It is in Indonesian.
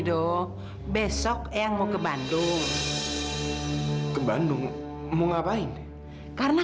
ke operates solo kita barengan kan